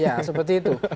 ya seperti itu